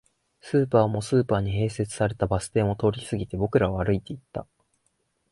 スーパーも、スーパーに併設されたバス停も通り過ぎて、僕らは歩いていった